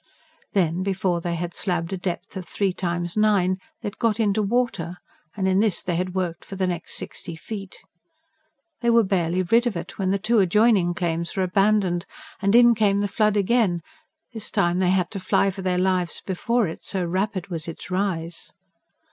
Then, before they had slabbed a depth of three times nine, they had got into water, and in this they worked for the next sixty feet. They were barely rid of it, when the two adjoining claims were abandoned, and in came the flood again this time they had to fly for their lives before it, so rapid was its rise.